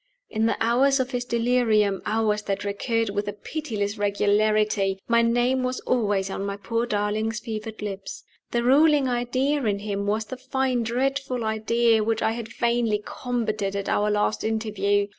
In the hours of his delirium hours that recurred with a pitiless regularity my name was always on my poor darling's fevered lips. The ruling idea in him was the fine dreadful idea which I had vainly combated at our last interview.